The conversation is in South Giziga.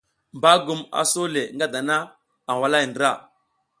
Bagum a sole nga dana a walahay ndra,